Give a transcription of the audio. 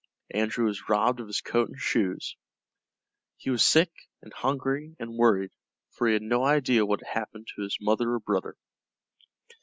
Andrew was robbed of his coat and shoes; he was sick and hungry and worried, for he had no idea what had happened to his mother or brother.